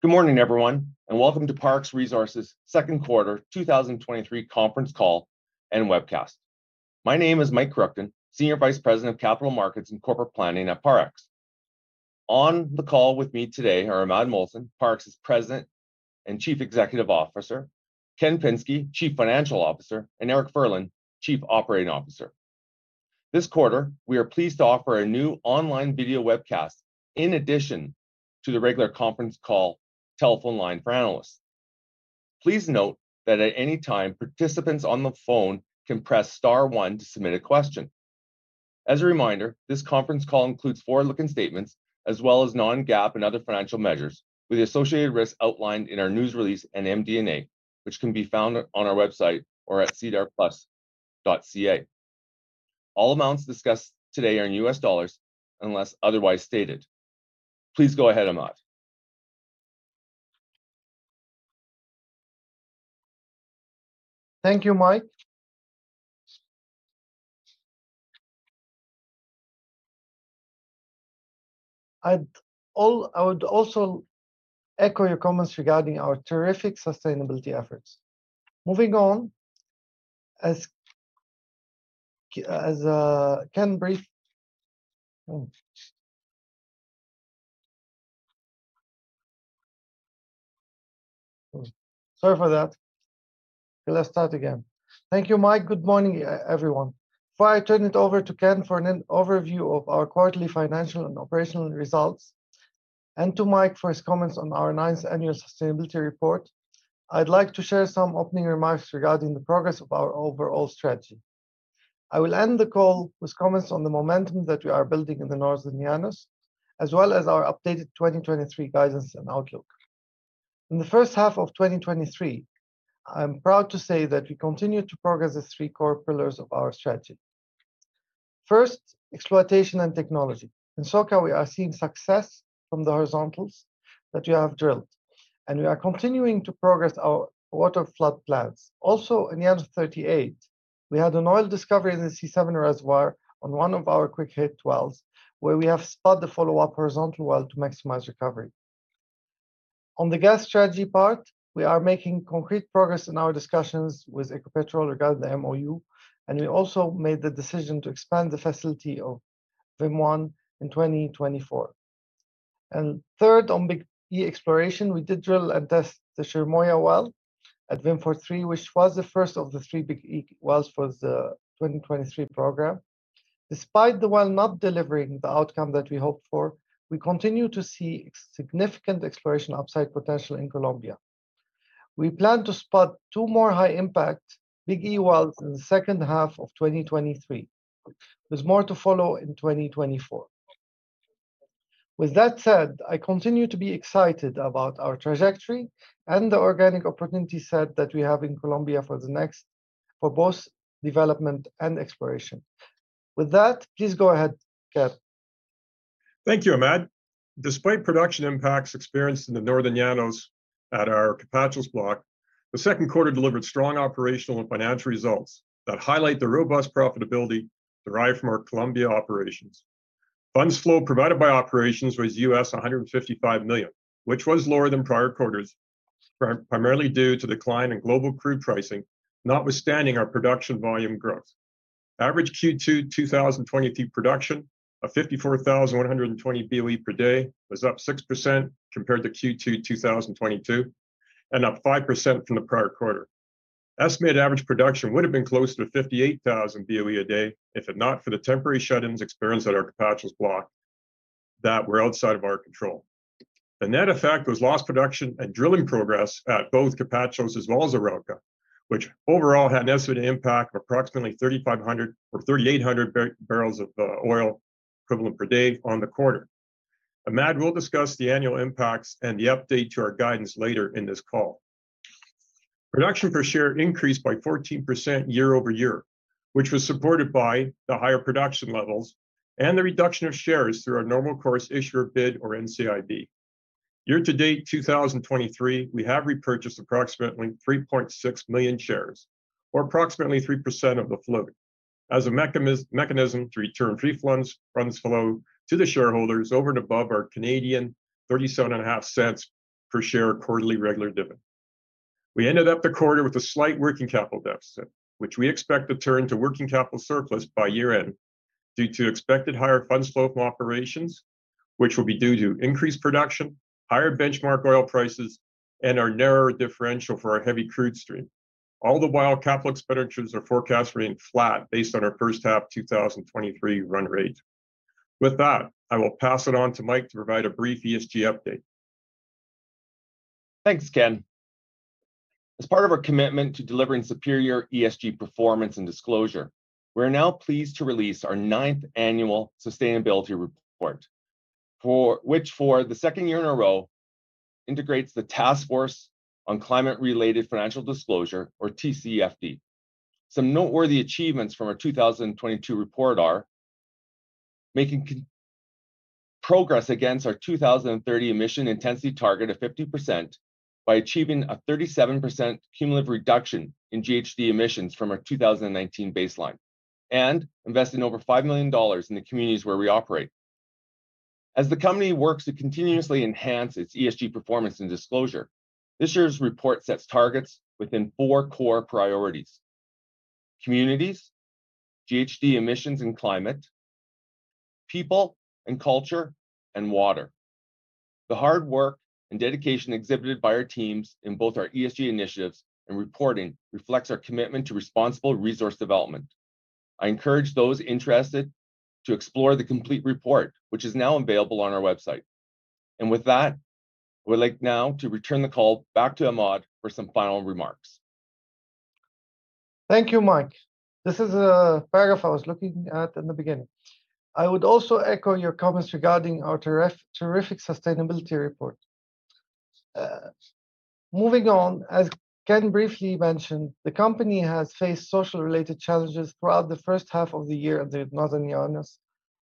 Good morning, everyone, and welcome to Parex Resources' Q2, 2023 conference call and webcast. My name is Mike Kruchten, Senior Vice President of Capital Markets and Corporate Planning at Parex. On the call with me today are Imad Mohsen, Parex's President and Chief Executive Officer, Ken Pinsky, Chief Financial Officer, and Eric Furlan, Chief Operating Officer. This quarter, we are pleased to offer a new online video webcast, in addition to the regular conference call telephone line for analysts. Please note that at any time, participants on the phone can press * 1 to submit a question. As a reminder, this conference call includes forward-looking statements, as well as non-GAAP and other financial measures, with the associated risks outlined in our news release and MD&A, which can be found on our website or at sedarplus.ca. All amounts discussed today are in U.S. dollars, unless otherwise stated. Please go ahead, Imad. Thank you, Mike. I'd I would also echo your comments regarding our terrific sustainability efforts. Moving on, as Ken brief... Oh. Sorry for that. Let's start again. Thank you, Mike. Good morning, everyone. Before I turn it over to Ken for an overview of our quarterly financial and operational results, and to Mike for his comments on our ninth Annual Sustainability Report, I'd like to share some opening remarks regarding the progress of our overall strategy. I will end the call with comments on the momentum that we are building in the Northern Llanos, as well as our updated 2023 guidance and outlook. In the H1 of 2023, I'm proud to say that we continued to progress the 3 core pillars of our strategy. First, exploitation and technology. In SoCa, we are seeing success from the horizontals that we have drilled. We are continuing to progress our waterflood plans. Also, in the end of 38, we had an oil discovery in the C7 reservoir on one of our quick hit wells, where we have spud the follow-up horizontal well to maximize recovery. On the gas strategy part, we are making concrete progress in our discussions with Ecopetrol regarding the MOU. We also made the decision to expand the facility of VIM-1 in 2024. Third, on big E exploration, we did drill and test the Chirimoya well at VIM-43, which was the 1st of the 3 big E wells for the 2023 program. Despite the well not delivering the outcome that we hoped for, we continue to see significant exploration upside potential in Colombia. We plan to spot 2 more high-impact Big E wells in the H2 of 2023, with more to follow in 2024. With that said, I continue to be excited about our trajectory and the organic opportunity set that we have in Colombia for the next-- for both development and exploration. With that, please go ahead, Ken. Thank you, Imad. Despite production impacts experienced in the Northern Llanos at our Capachos block, the Q2 delivered strong operational and financial results that highlight the robust profitability derived from our Colombia operations. Funds flow provided by operations was US $155 million, which was lower than prior quarters, primarily due to decline in global crude pricing, notwithstanding our production volume growth. Average Q2 2023 production of 54,120 BOE per day was up 6% compared to Q2 2022, and up 5% from the prior quarter. Estimated average production would have been close to 58,000 BOE a day, if it not for the temporary shut-ins experienced at our Capachos block that were outside of our control. The net effect was lost production and drilling progress at both Capachos as well as Arauca, which overall had an estimated impact of approximately 3,500 or 3,800 barrels of oil equivalent per day on the quarter. Imad will discuss the annual impacts and the update to our guidance later in this call. Production per share increased by 14% year-over-year, which was supported by the higher production levels and the reduction of shares through our normal course issuer bid, or NCIB. Year-to-date 2023, we have repurchased approximately 3.6 million shares, or approximately 3% of the float, as a mechanism to return free funds flow to the shareholders over and above our 0.375 per share quarterly regular dividend. We ended up the quarter with a slight working capital deficit, which we expect to turn to working capital surplus by year-end, due to expected higher fund flow from operations, which will be due to increased production, higher benchmark oil prices, and our narrower differential for our heavy crude stream. All the while, capital expenditures are forecast remaining flat based on our H1 2023 run rate. With that, I will pass it on to Mike to provide a brief ESG update. Thanks, Ken. As part of our commitment to delivering superior ESG performance and disclosure, we are now pleased to release our ninth Annual Sustainability Report, for which for the second year in a row integrates the Task Force on Climate-Related Financial Disclosures, or TCFD. Some noteworthy achievements from our 2022 report are: making progress against our 2030 emission intensity target of 50% by achieving a 37% cumulative reduction in GHG emissions from our 2019 baseline. Investing over $5 million in the communities where we operate. As the company works to continuously enhance its ESG performance and disclosure, this year's report sets targets within 4 core priorities: communities, GHG emissions and climate, people and culture, and water. The hard work and dedication exhibited by our teams in both our ESG initiatives and reporting reflects our commitment to responsible resource development. I encourage those interested to explore the complete report, which is now available on our website. With that, I would like now to return the call back to Imad for some final remarks. Thank you, Mike. This is a paragraph I was looking at in the beginning. I would also echo your comments regarding our terrific sustainability report. Moving on, as Ken briefly mentioned, the company has faced social related challenges throughout the H1 of the year in the Northern Llanos,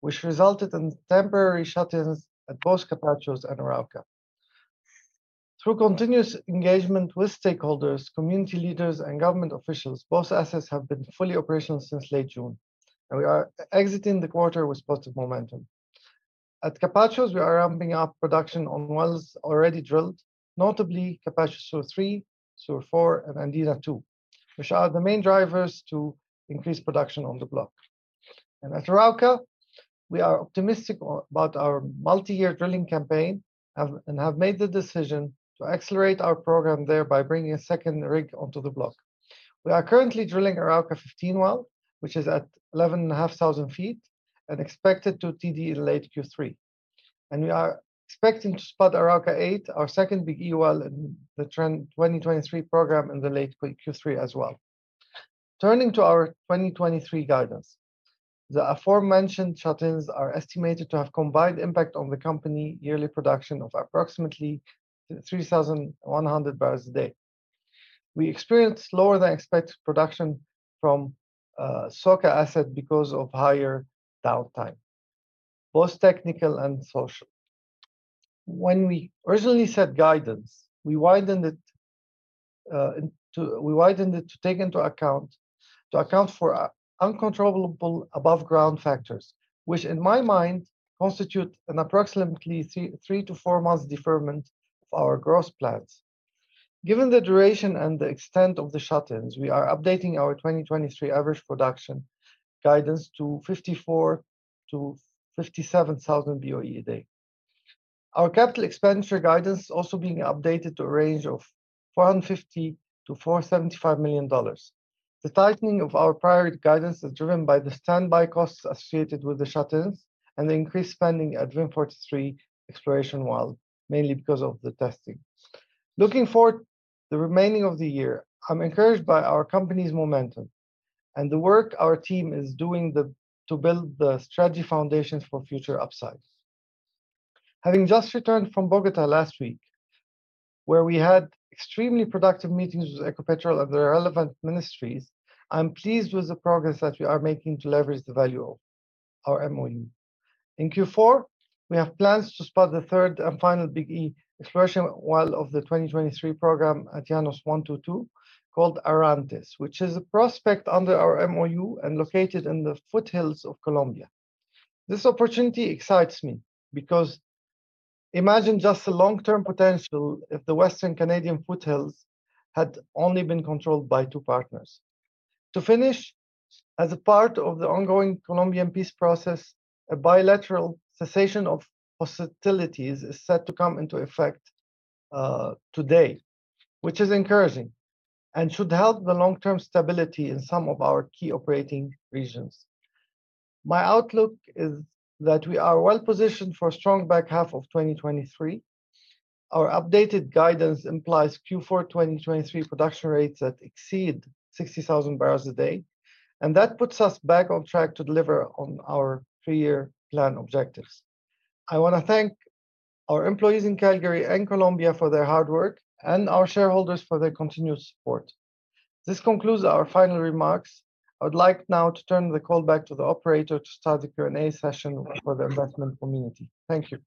which resulted in temporary shut-ins at both Capachos and Arauca. Through continuous engagement with stakeholders, community leaders, and government officials, both assets have been fully operational since late June, and we are exiting the quarter with positive momentum. At Capachos, we are ramping up production on wells already drilled, notably Capachos Sur 3, Sur 4 and Andina 2, which are the main drivers to increase production on the block. At Arauca, we are optimistic about our multi-year drilling campaign, have, and have made the decision to accelerate our program there by bringing a second rig onto the block. We are currently drilling Arauca 15 well, which is at 11,500 feet, and expected to TD in late Q3. We are expecting to spot Arauca 8, our second Big E well in the 2023 program in the late Q3 as well. Turning to our 2023 guidance, the aforementioned shut-ins are estimated to have combined impact on the company yearly production of approximately 3,100 barrels a day. We experienced lower than expected production from Soca asset because of higher downtime, both technical and social. When we originally set guidance, we widened it into... we widened it to take into account, to account for, uncontrollable aboveground factors, which, in my mind, constitute an approximately 3-4 months deferment of our gross plans. Given the duration and the extent of the shut-ins, we are updating our 2023 average production guidance to 54,000-57,000 BOE a day. Our capital expenditure guidance is also being updated to a range of $450 million-$475 million. The tightening of our prior guidance is driven by the standby costs associated with the shut-ins and the increased spending at VIM-43 exploration well, mainly because of the testing. Looking forward to the remaining of the year, I'm encouraged by our company's momentum and the work our team is doing the, to build the strategy foundations for future upsides. Having just returned from Bogota last week, where we had extremely productive meetings with Ecopetrol and the relevant ministries, I'm pleased with the progress that we are making to leverage the value of our MOU. In Q4, we have plans to spot the third and final Big E exploration well of the 2023 program at Llanos 122, called Arantes, which is a prospect under our MOU and located in the foothills of Colombia. This opportunity excites me because imagine just the long-term potential if the Western Canadian foothills had only been controlled by 2 partners. To finish, as a part of the ongoing Colombian peace process, a bilateral cessation of hostilities is set to come into effect today, which is encouraging and should help the long-term stability in some of our key operating regions. My outlook is that we are well positioned for a strong back half of 2023. Our updated guidance implies Q4 2023 production rates that exceed 60,000 barrels a day, and that puts us back on track to deliver on our 3-year plan objectives. I want to thank our employees in Calgary and Colombia for their hard work, and our shareholders for their continued support. This concludes our final remarks. I would like now to turn the call back to the operator to start the Q&A session for the investment community. Thank you.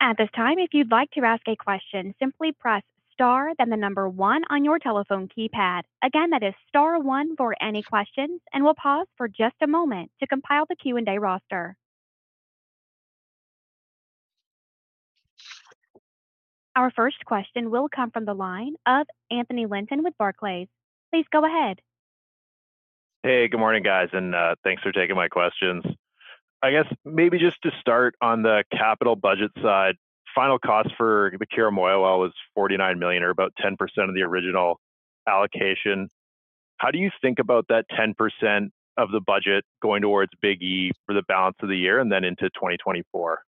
At this time, if you'd like to ask a question, simply press *, then the number 1 on your telephone keypad. Again, that is * 1 for any questions. We'll pause for just a moment to compile the Q&A roster. Our first question will come from the line of Anthony Linton with Barclays. Please go ahead. Hey, good morning, guys, and thanks for taking my questions. I guess maybe just to start on the capital budget side, final cost for the Chirimoya well was $49 million, or about 10% of the original allocation. How do you think about that 10% of the budget going towards big E for the balance of the year and then into 2024?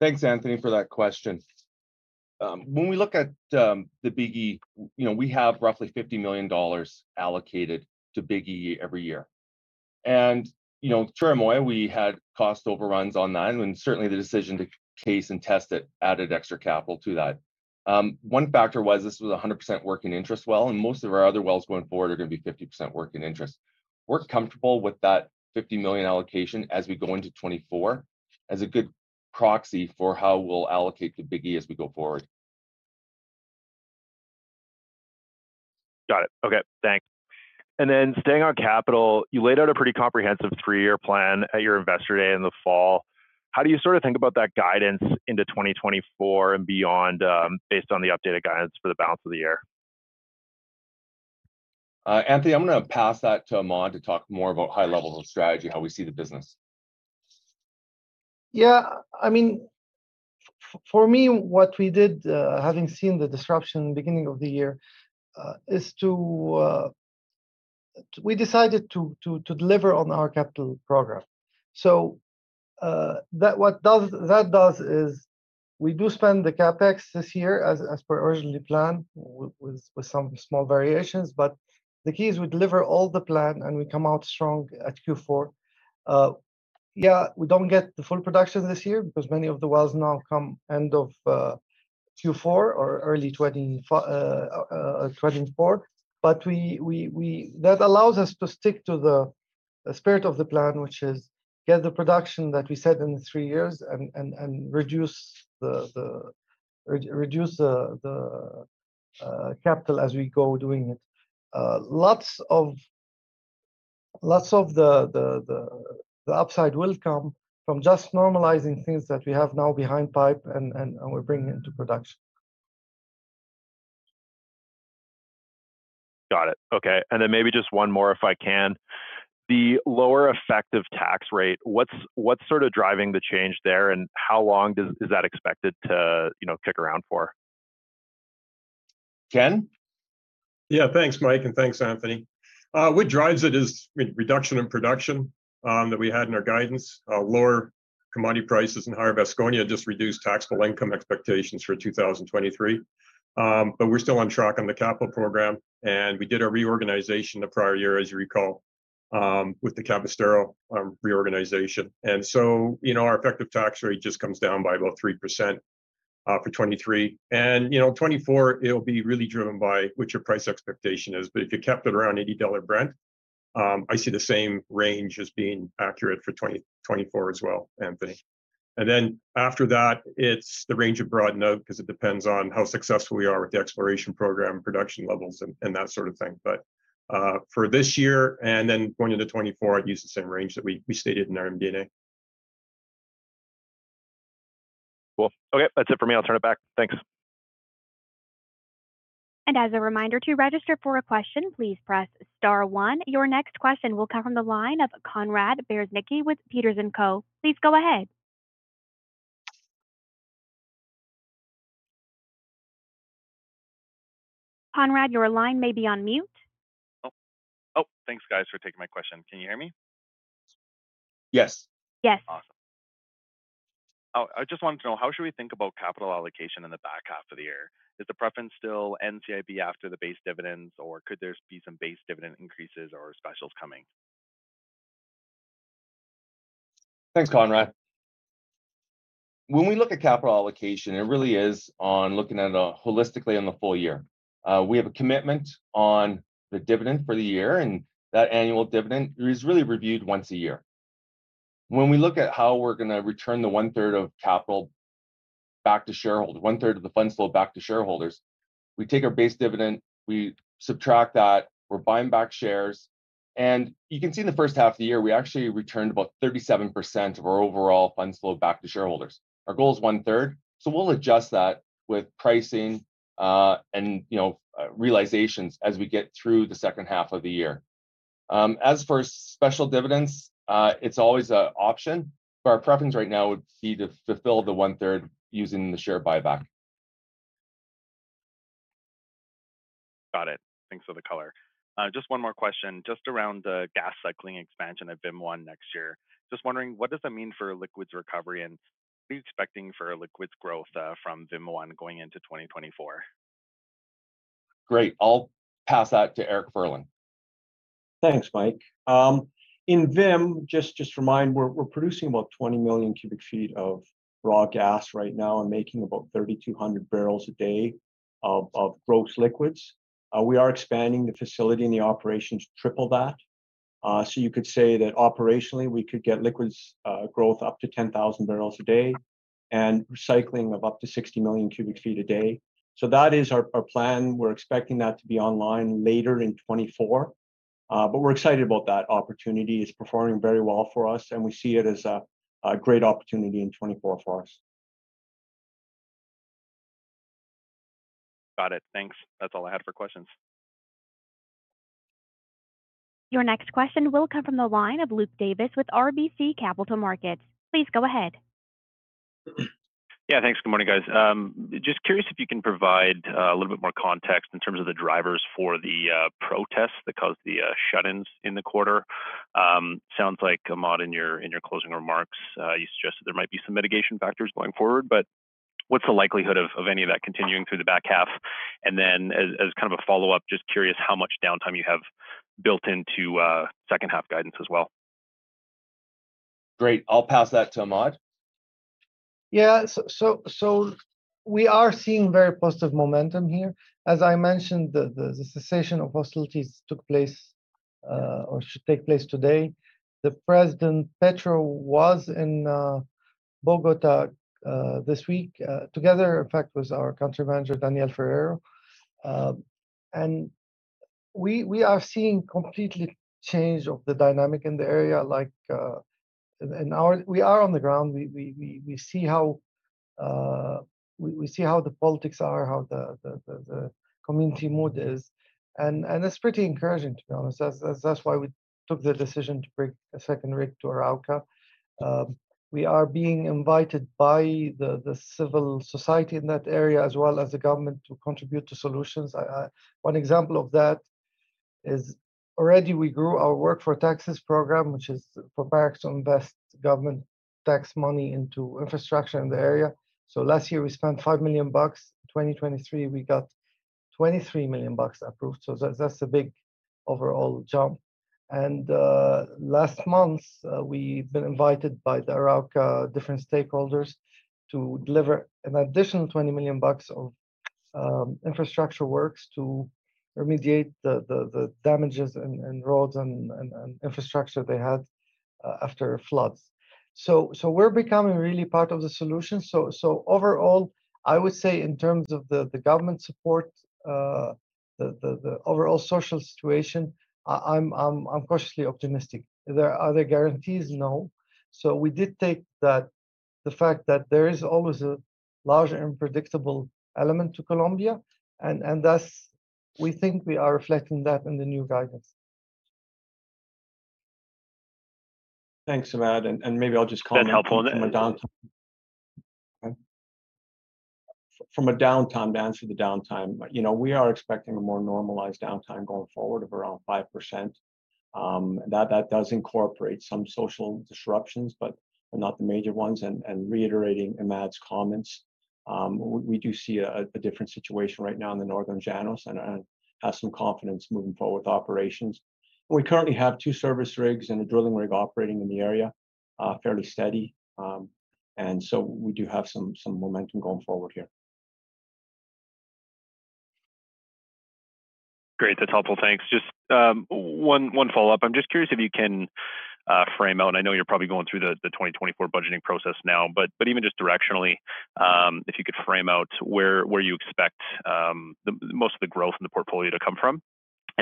Thanks, Anthony, for that question. When we look at the Big E, you know, we have roughly $50 million allocated to Big E every year. You know, Chirimoya, we had cost overruns on that, and certainly the decision to case and test it added extra capital to that. 1 factor was this was a 100% working interest well, and most of our other wells going forward are going to be 50% working interest. We're comfortable with that $50 million allocation as we go into 2024, as a good proxy for how we'll allocate to Big E as we go forward. Got it. Okay, thanks. Then staying on capital, you laid out a pretty comprehensive 3-year plan at your investor day in the fall. How do you sort of think about that guidance into 2024 and beyond, based on the updated guidance for the balance of the year? Anthony, I'm going to pass that to Imad to talk more about high level strategy, how we see the business. I mean, for me, what we did, having seen the disruption beginning of the year, is to, we decided to deliver on our capital program. That does is we do spend the CapEx this year as per originally planned, with some small variations, but the key is we deliver all the plan, and we come out strong at Q4. Yeah, we don't get the full production this year, because many of the wells now come end of Q4 or early 2024. That allows us to stick to the spirit of the plan, which is get the production that we said in the 3 years and reduce the capital as we go doing it. Lots of, lots of the, the, the, the upside will come from just normalizing things that we have now behind pipe and, and, and we're bringing into production. Got it. Okay, and then maybe just 1 more, if I can. The lower effective tax rate, what's, what's sort of driving the change there, and how long is, is that expected to, you know, stick around for? Ken? Thanks, Mike, and thanks, Anthony. What drives it is, I mean, reduction in production that we had in our guidance. Lower commodity prices and higher Vasconia just reduced taxable income expectations for 2023. We're still on track on the capital program, and we did a reorganization the prior year, as you recall, with the Cabrestero reorganization. You know, our effective tax rate just comes down by about 3% for 2023. You know, 2024, it'll be really driven by what your price expectation is, but if you kept it around $80 Brent, I see the same range as being accurate for 2024 as well, Anthony. After that, it's the range of broaden out, because it depends on how successful we are with the exploration program, production levels, and that sort of thing. for this year, and then going into 2024, I'd use the same range that we, we stated in our MD&A. Cool. Okay, that's it for me. I'll turn it back. Thanks. As a reminder, to register for a question, please press * 1. Your next question will come from the line of Conrad Bereznicki with Peters & Co. Please go ahead. Conrad, your line may be on mute. Oh, oh, thanks, guys, for taking my question. Can you hear me? Yes. Yes. Awesome. I just wanted to know, how should we think about capital allocation in the back half of the year? Is the preference still NCIB after the base dividends, or could there be some base dividend increases or specials coming? Thanks, Conrad. When we look at capital allocation, it really is on looking at it holistically on the full year. We have a commitment on the dividend for the year, That annual dividend is really reviewed once a year. When we look at how we're going to return the 1/3 of capital back to shareholders, 1/3 of the fund flow back to shareholders, we take our base dividend, we subtract that, we're buying back shares. You can see in the H1 of the year, we actually returned about 37% of our overall fund flow back to shareholders. Our goal is one-third, so we'll adjust that with pricing, and realizations as we get through the H2 of the year. As for special dividends, it's always an option, but our preference right now would be to fulfill the 1/3 using the share buyback. Got it. Thanks for the color. Just 1 more question, just around the gas cycling expansion at VIM-1 next year. Just wondering, what does that mean for liquids recovery, and what are you expecting for liquids growth from VIM-1 going into 2024? Great. I'll pass that to Eric Furlan. Thanks, Mike. In VIM, just, just to remind, we're, we're producing about 20 million cubic feet of raw gas right now and making about 3,200 barrels a day of, of gross liquids. We are expanding the facility and the operations to triple that. You could say that operationally, we could get liquids growth up to 10,000 barrels a day and recycling of up to 60 million cubic feet a day. That is our, our plan. We're expecting that to be online later in 2024. We're excited about that opportunity. It's performing very well for us, and we see it as a, a great opportunity in 2024 for us. Got it. Thanks. That's all I had for questions. Your next question will come from the line of Luke Davis with RBC Capital Markets. Please go ahead. Thanks. Good morning, guys. Just curious if you can provide a little bit more context in terms of the drivers for the protests that caused the shut-ins in the quarter. Sounds like, Imad, in your, in your closing remarks, you suggested there might be some mitigation factors going forward, but what's the likelihood of any of that continuing through the back half? Then as, as kind of a follow-up, just curious how much downtime you have built into H2 guidance as well? Great, I'll pass that to Imad. We are seeing very positive momentum here. As I mentioned, the cessation of hostilities took place or should take place today. The President Petro was in Bogota this week together, in fact, with our country manager, Daniel Ferreiro. We are seeing completely change of the dynamic in the area, like, we are on the ground. We see how the politics are, how the community mood is, it's pretty encouraging, to be honest. That's why we took the decision to bring a second rig to Arauca. We are being invited by the civil society in that area, as well as the government, to contribute to solutions. 1 example of that is already we grew our Work for Taxes program, which is for Parex to invest government tax money into infrastructure in the area. Last year, we spent $5 million. In 2023, we got $23 million approved, that's a big overall jump. Last month, we've been invited by the Arauca different stakeholders to deliver an additional $20 million of infrastructure works to remediate the damages in roads and infrastructure they had after floods. We're becoming really part of the solution. Overall, I would say in terms of the government support, the overall social situation, I'm cautiously optimistic. Are there other guarantees? No. We did take that, the fact that there is always a large and predictable element to Colombia, and, and thus, we think we are reflecting that in the new guidance. Thanks, Imad, and maybe I'll just. That helpful, then? From a downtime, down through the downtime. you know, we are expecting a more normalized downtime going forward of around 5%. that, that does incorporate some social disruptions, but, but not the major ones. reiterating Imad's comments, we do see a different situation right now in the Northern Llanos, and have some confidence moving forward with operations. We currently have 2 service rigs and a drilling rig operating in the area, fairly steady. so we do have some, some momentum going forward here. Great. That's helpful. Thanks. Just, 1 follow-up. I'm just curious if you can frame out, and I know you're probably going through the, the 2024 budgeting process now, but, but even just directionally, if you could frame out where, where you expect, the most of the growth in the portfolio to come from?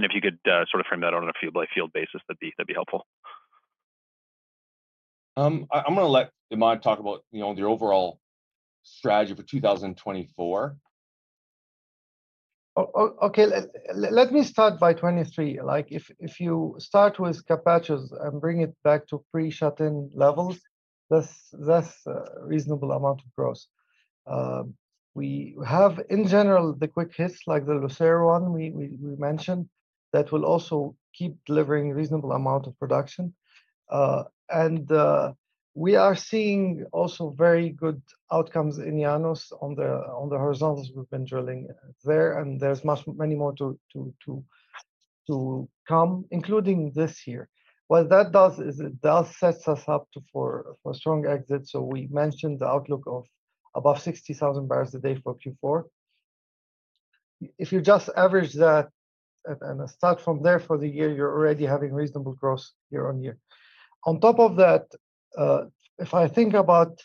If you could sort of frame that out on a field by field basis, that'd be, that'd be helpful. I'm gonna let Imad talk about, you know, the overall strategy for 2024. Okay. Let me start by 2023. Like, if you start with CapEx and bring it back to pre-shut-in levels, that's a reasonable amount of growth. We have, in general, the quick hits, like the Lucero one we mentioned, that will also keep delivering reasonable amount of production. And we are seeing also very good outcomes in Llanos on the horizontals we've been drilling there, and there's many more to come, including this year. What that does is it does sets us up for strong exits. We mentioned the outlook of above 60,000 barrels a day for Q4. If you just average that and start from there for the year, you're already having reasonable growth year-over-year. On top of that, if I think about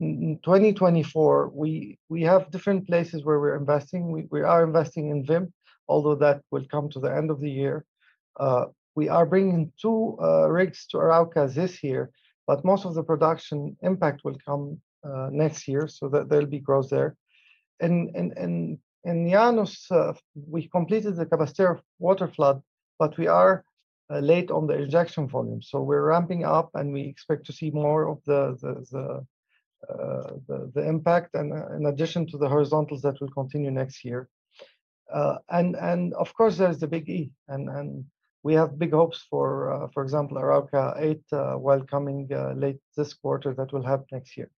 2024, we, we have different places where we're investing. We, we are investing in VIM, although that will come to the end of the year. We are bringing 2 rigs to Arauca this year, but most of the production impact will come next year, so there, there'll be growth there. In Llanos, we completed the Cabrestero waterflood, but we are late on the ejection volume. We're ramping up, and we expect to see more of the, the, the, the, the impact, in addition to the horizontals that will continue next year. Of course, there's the big E, we have big hopes for, for example, Arauca 8, well, coming late this quarter, that will happen next year.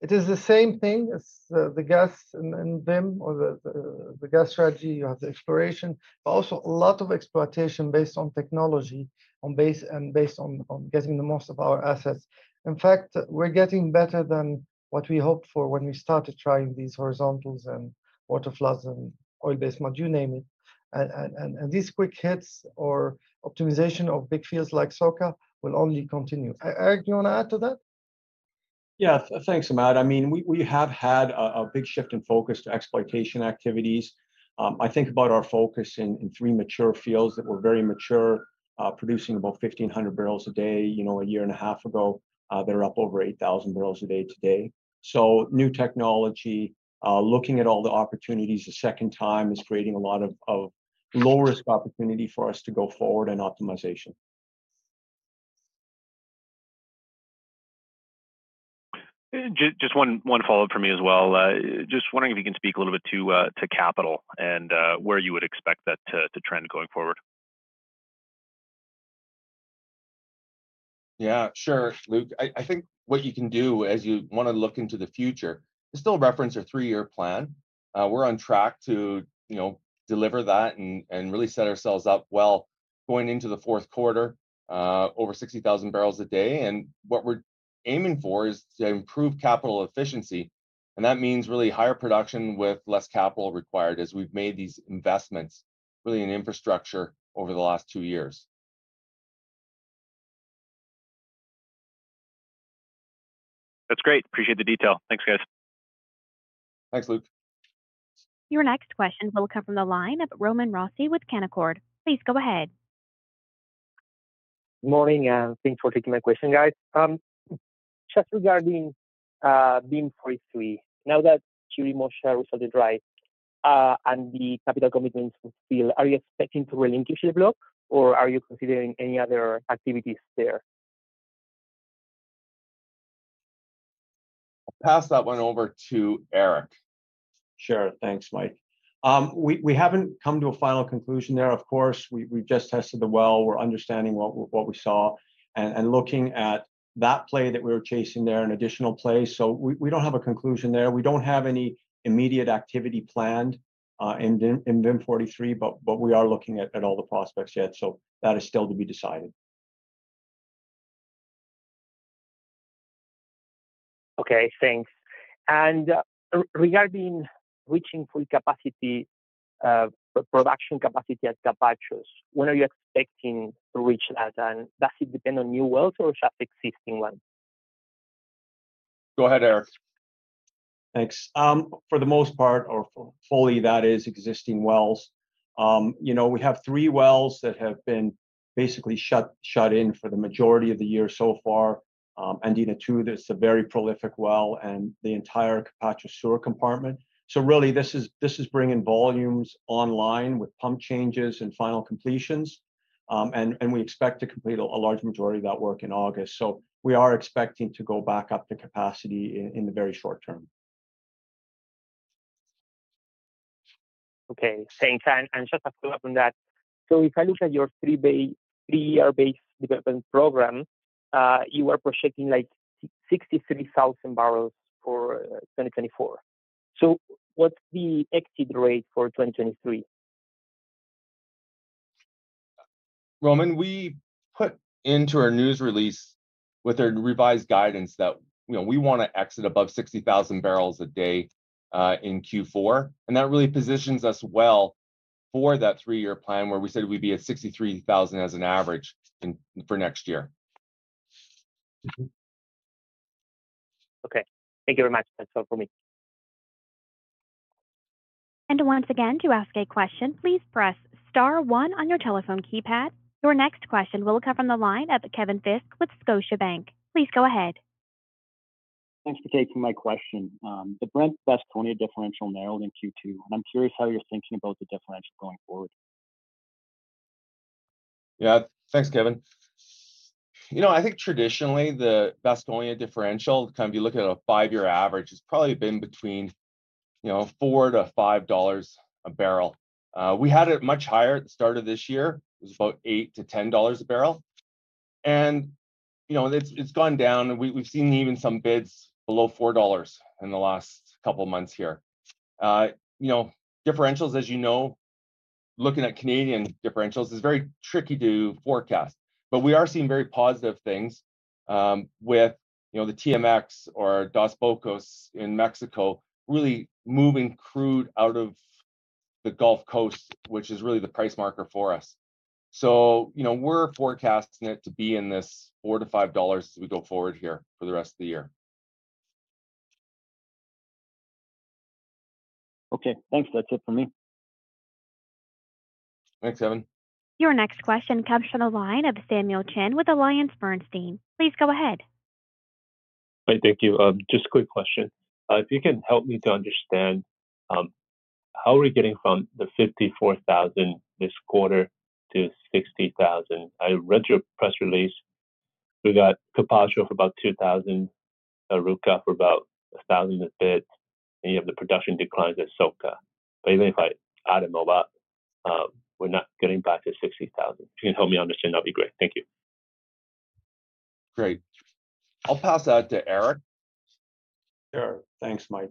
It is the same thing as the gas in VIM or the gas strategy or the exploration, but also a lot of exploitation based on technology and based on getting the most of our assets. In fact, we're getting better than what we hoped for when we started trying these horizontals and waterfloods and oil-based mud, you name it. These quick hits or optimization of big fields like Soca will only continue. Eric, you want to add to that? Thanks, Imad. I mean, we, we have had a, a big shift in focus to exploitation activities. I think about our focus in, in 3 mature fields that were very mature, producing about 1,500 barrels a day, you know, a year and a half ago. They're up over 8,000 barrels a day today. New technology, looking at all the opportunities a second time, is creating a lot of, of low-risk opportunity for us to go forward in optimization. Just 1 follow-up for me as well. Just wondering if you can speak a little bit to capital and where you would expect that to trend going forward. Sure, Luke. I think what you can do, as you want to look into the future, is still reference our 3-year plan. We're on track to, you know, deliver that and, and really set ourselves up well going into the Q4, over 60,000 barrels a day. What we're aiming for is to improve capital efficiency, and that means really higher production with less capital required as we've made these investments, really in infrastructure over the last 2 years. That's great. Appreciate the detail. Thanks, guys. Thanks, Luke. Your next question will come from the line of Roman Rossi with Canaccord. Please go ahead. Morning, thanks for taking my question, guys. Just regarding VIM-43, now that Chirimoya is on the drive, and the capital commitments to the field, are you expecting to relinquish the block, or are you considering any other activities there? I'll pass that one over to Eric. Sure. Thanks, Mike. We, we haven't come to a final conclusion there, of course. We, we've just tested the well, we're understanding what, what we saw and, and looking at that play that we were chasing there, an additional play. We, we don't have a conclusion there. We don't have any immediate activity planned in VIM, in VIM 43, but, but we are looking at, at all the prospects yet, so that is still to be decided. Okay, thanks. Regarding reaching full capacity, production capacity at Capachos, when are you expecting to reach that? Does it depend on new wells or just existing ones? Go ahead, Eric. Thanks. For the most part, or for fully, that is existing wells. You know, we have 3 wells that have been basically shut, shut in for the majority of the year so far. Unit 2, that's a very prolific well and the entire Capachos Sur compartment. Really, this is, this is bringing volumes online with pump changes and final completions. We expect to complete a large majority of that work in August. We are expecting to go back up to capacity in the very short term. Okay, thanks. Just a follow-up on that. If I look at your 3-year base development program, you are projecting like 63,000 barrels for 2024. What's the exit rate for 2023? Roman, we put into our news release with our revised guidance that, you know, we want to exit above 60,000 barrels a day in Q4, and that really positions us well for that 3-year plan, where we said we'd be at 63,000 as an average in, for next year. Mm-hmm. Okay. Thank you very much. That's all for me. Once again, to ask a question, please press * 1 on your telephone keypad. Your next question will come from the line of Kevin Fisk with Scotiabank. Please go ahead. Thanks for taking my question. The Brent Vasconia differential narrowed in Q2, and I'm curious how you're thinking about the differential going forward. Thanks, Kevin. You know, I think traditionally, the Vasconia differential, kind of you look at a 5-year average, it's probably been between, you know, $4-$5 a barrel. We had it much higher at the start of this year. It was about $8-$10 a barrel, and, you know, it's, it's gone down, and we've seen even some bids below $4 in the last couple of months here. You know, differentials, as you know, looking at Canadian differentials is very tricky to forecast, but we are seeing very positive things, with, you know, the TMX or Dos Bocas in Mexico, really moving crude out of the Gulf Coast, which is really the price marker for us. You know, we're forecasting it to be in this $4-$5 as we go forward here for the rest of the year. Okay, thanks. That's it for me. Thanks, Kevin. Your next question comes from the line of Samuel Chen with AllianceBernstein. Please go ahead. Hi, thank you. Just a quick question. If you can help me to understand, how are we getting from the 54,000 this quarter to 60,000? I read your press release. We got Capachos for about 2,000, Arauca for about 1,000 a bit, and you have the production declines at SOCA. Even if I add them all up, we're not getting back to 60,000. If you can help me understand, that'd be great. Thank you. Great. I'll pass that to Eric. Sure, thanks, Mike.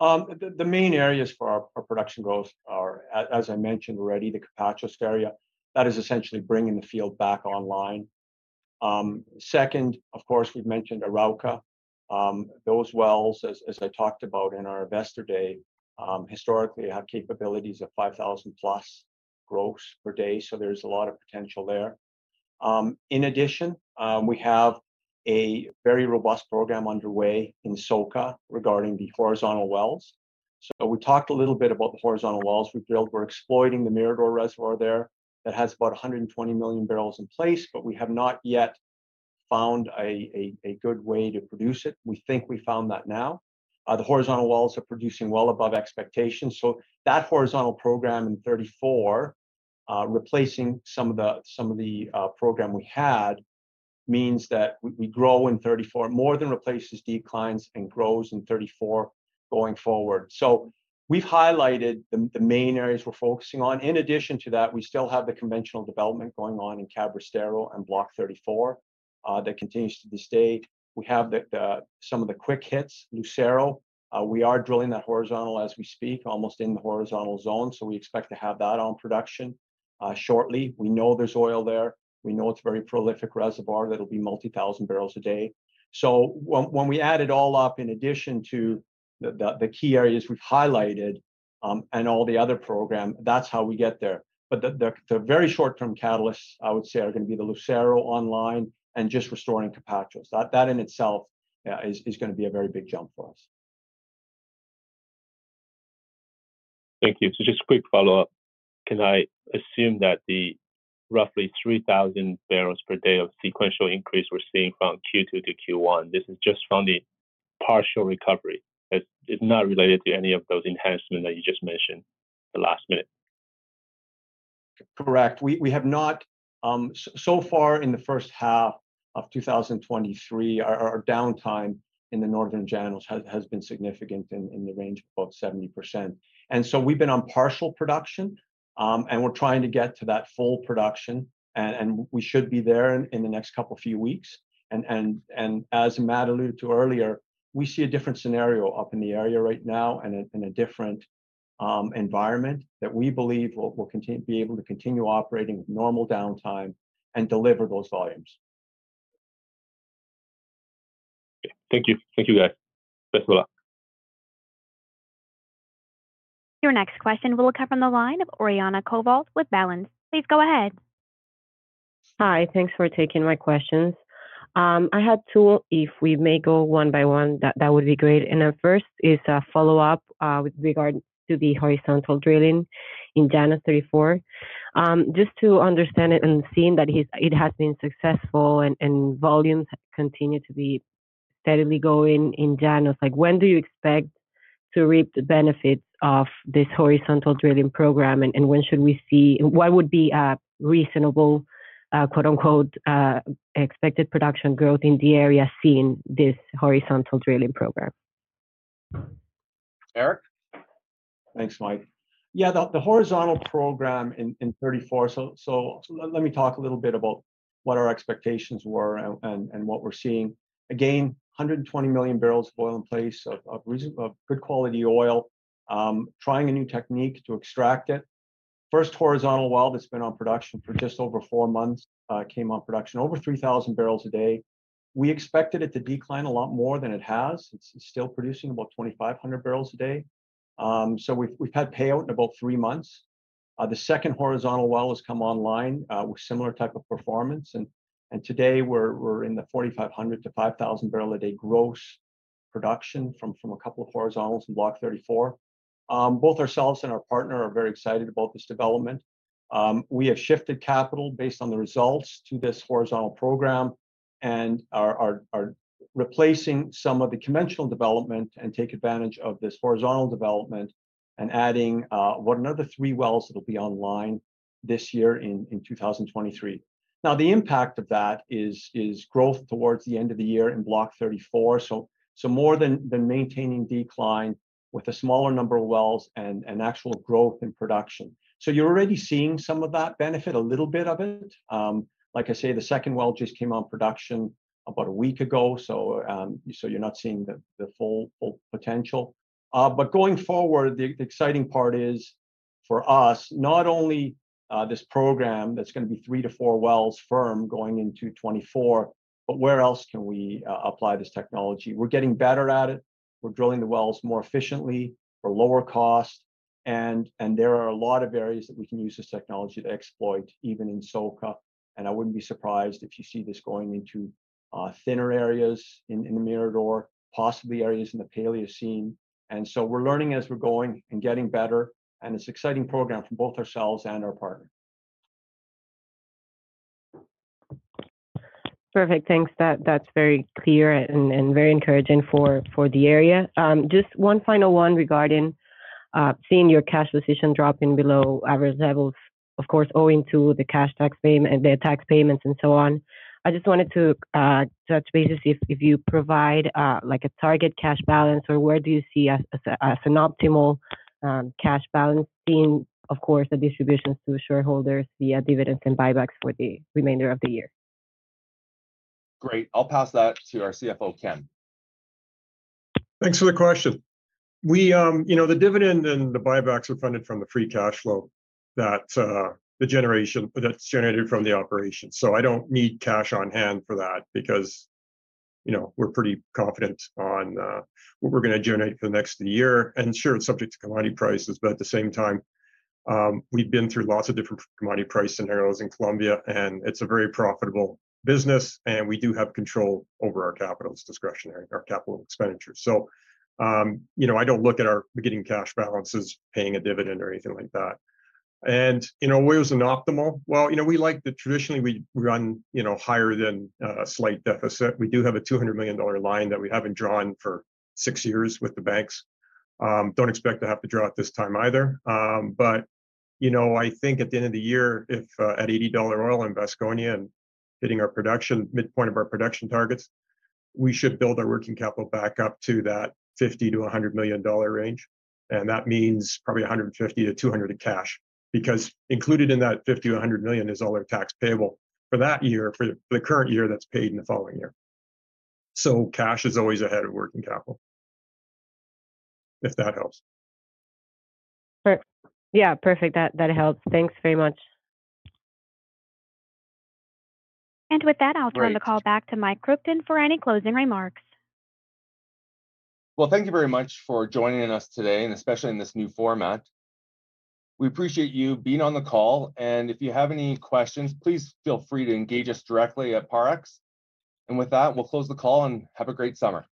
The main areas for our production growth are, as I mentioned already, the Capachos area. That is essentially bringing the field back online. Second, of course, we've mentioned Arauca. Those wells, as I talked about in our investor day, historically, have capabilities of 5,000-plus growths per day, so there's a lot of potential there. In addition, we have a very robust program underway in SoCa regarding the horizontal wells. We talked a little bit about the horizontal wells we built. We're exploiting the Mirador reservoir there. That has about 120 million barrels in place, but we have not yet found a good way to produce it. We think we found that now. The horizontal wells are producing well above expectations. That horizontal program in 34, replacing some of the, some of the program we had, means that we, we grow in 34, more than replaces declines and grows in 34 going forward. We've highlighted the, the main areas we're focusing on. In addition to that, we still have the conventional development going on in Cabrestero and Block 34. That continues to this day. We have the, the, some of the quick hits, Lucero. We are drilling that horizontal as we speak, almost in the horizontal zone, so we expect to have that on production shortly. We know there's oil there. We know it's a very prolific reservoir that'll be multi-thousand barrels a day. When, when we add it all up in addition to the, the, the key areas we've highlighted, and all the other program, that's how we get there. The very short-term catalysts, I would say, are gonna be the Lucero online and just restoring Capachos. That in itself is gonna be a very big jump for us. Thank you. Just a quick follow-up. Can I assume that the roughly 3,000 barrels per day of sequential increase we're seeing from Q2 to Q1, this is just from the partial recovery? It's not related to any of those enhancements that you just mentioned the last minute. Correct. We have not so far in the H1 of 2023, our downtime in the Northern LLA has been significant, in the range of about 70%. We've been on partial production, and we're trying to get to that full production, and we should be there in the next couple few weeks. As Matt alluded to earlier, we see a different scenario up in the area right now, in a different environment that we believe will be able to continue operating with normal downtime and deliver those volumes. Thank you. Thank you, guys. Best of luck. Your next question will come from the line of Oriana Covault with Balanz. Please go ahead. Hi, thanks for taking my questions. I had 2. If we may go one by one, that, that would be great. The first is a follow-up with regard to the horizontal drilling in LLA-34. Just to understand it and seeing that it's, it has been successful and, and volumes have continued to be steadily going in LLA, like, when do you expect to reap the benefits of this horizontal drilling program, and, and when should we see what would be a reasonable, quote, unquote, expected production growth in the area seeing this horizontal drilling program? Mike? Eric. Thanks, Mike. The horizontal program in 34, let me talk a little bit about what our expectations were and what we're seeing. 120 million barrels of oil in place, of good quality oil. Trying a new technique to extract it. First horizontal well that's been on production for just over 4 months, came on production over 3,000 barrels a day. We expected it to decline a lot more than it has. It's still producing about 2,500 barrels a day. We've had payout in about 3 months. The second horizontal well has come online with similar type of performance, and today we're in the 4,500-5,000 barrel a day gross production from a couple of horizontals in Block 34. Both ourselves and our partner are very excited about this development. We have shifted capital based on the results to this horizontal program, and are replacing some of the conventional development and take advantage of this horizontal development, and adding another 3 wells that'll be online this year in 2023. The impact of that is growth towards the end of the year in Block 34, so more than maintaining decline with a smaller number of wells and actual growth in production. You're already seeing some of that benefit, a little bit of it. Like I say, the second well just came on production about a week ago, so you're not seeing the full potential. Going forward, the, the exciting part is, for us, not only, this program that's gonna be 3-4 wells firm going into 2024, but where else can we, apply this technology? We're getting better at it. We're drilling the wells more efficiently for lower cost, and, and there are a lot of areas that we can use this technology to exploit, even in SoCa, and I wouldn't be surprised if you see this going into, thinner areas in, in the Mirador, possibly areas in the Paleocene. We're learning as we're going and getting better, and it's exciting program for both ourselves and our partner. Perfect, thanks. That, that's very clear and, and very encouraging for, for the area. Just 1 final one regarding seeing your cash position dropping below average levels, of course, owing to the cash tax payment and the tax payments and so on. I just wanted to touch base to see if, if you provide, like, a target cash balance, or where do you see as, as a, an optimal cash balance being, of course, the distributions to shareholders via dividends and buybacks for the remainder of the year? Great. I'll pass that to our CFO, Ken. Thanks for the question. We, you know, the dividend and the buybacks are funded from the free cash flow that the generation... that's generated from the operation, so I don't need cash on hand for that because, you know, we're pretty confident on what we're gonna generate for the next year. Sure, it's subject to commodity prices, but at the same time, we've been through lots of different commodity price scenarios in Colombia, and it's a very profitable business, and we do have control over our capital's discretionary, our capital expenditures. You know, I don't look at our beginning cash balance as paying a dividend or anything like that. You know, where's an optimal? Well, you know, we like to traditionally, we run, you know, higher than a slight deficit. We do have a $200 million line that we haven't drawn for 6 years with the banks. Don't expect to have to draw it this time either. You know, I think at the end of the year, if at $80 oil in Vasconia and hitting our production, midpoint of our production targets, we should build our working capital back up to that $50 million-$100 million range, and that means probably $150-$200 in cash. Because included in that $50 million-$100 million is all our tax payable for that year, for the current year that's paid in the following year. Cash is always ahead of working capital, if that helps. Perfect. That, that helps. Thanks very much. With that. Great I'll turn the call back to Mike Kruchten for any closing remarks. Well, thank you very much for joining us today, and especially in this new format. We appreciate you being on the call, and if you have any questions, please feel free to engage us directly at Parex. With that, we'll close the call, and have a great summer.